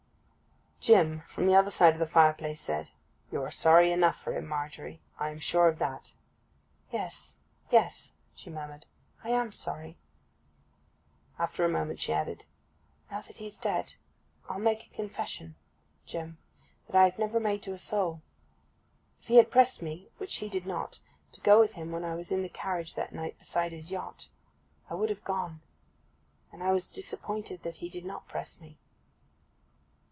Jim, from the other side of the fire place, said: 'You are sorry enough for him, Margery. I am sure of that.' 'Yes, yes,' she murmured, 'I am sorry.' After a moment she added: 'Now that he's dead I'll make a confession, Jim, that I have never made to a soul. If he had pressed me—which he did not—to go with him when I was in the carriage that night beside his yacht, I would have gone. And I was disappointed that he did not press me.